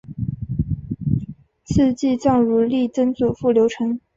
赐祭葬如例曾祖父刘澄。